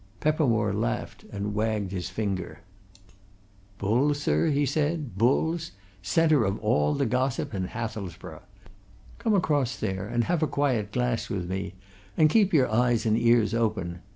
Peppermore laughed and wagged his finger. "Bull's, sir?" he said. "Bull's? centre of all the gossip in Hathelsborough. Come across there and have a quiet glass with me, and keep your eyes and ears open.